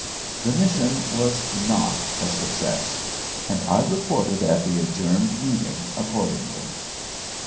The mission was not a success, and I reported at the adjourned meeting accordingly.